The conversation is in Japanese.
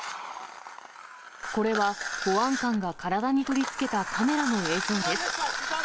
これは保安官が体に取り付けたカメラの映像です。